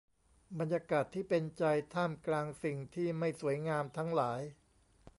บรรยากาศที่เป็นใจท่ามกลางสิ่งที่ไม่สวยงามทั้งหลาย